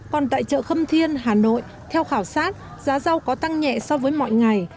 còn tại chợ khâm thiên hà nội theo khảo sát giá rau có tăng nhẹ so với mọi ngày